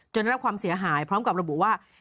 ได้รับความเสียหายพร้อมกับระบุว่า